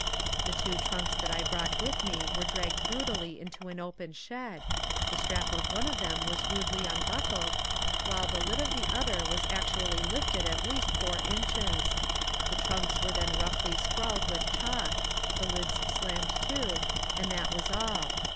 The two trunks that I brought with me were dragged brutally into an open shed, the strap of one of them was rudely unbuckled, while the lid of the other was actually lifted at least four inches. The trunks were then roughly scrawled with chalk, the lids slammed to, and that was all.